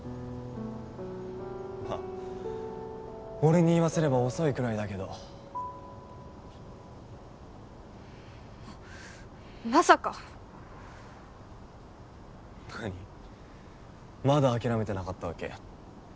まあ俺に言わせれば遅いくらいだけどままさか何まだ諦めてなかったわけ？